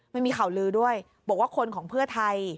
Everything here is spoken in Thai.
มันมีข่าวลือด้วยบอกว่าคนของเพื่อไทย